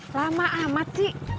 lama amat sih